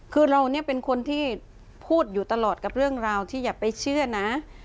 คือเราเนี่ยเป็นคนที่พูดอยู่ตลอดกับเรื่องราวที่อย่าไปเชื่อนะ